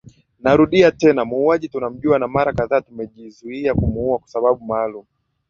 Narudia tena muuaji tunamjua na mara kaadhaa tumejizuia kumuua kwa sababu maalum